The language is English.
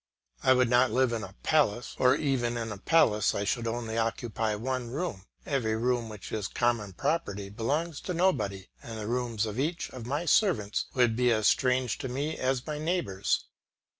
I would not live in a palace; for even in a palace I should only occupy one room; every room which is common property belongs to nobody, and the rooms of each of my servants would be as strange to me as my neighbour's.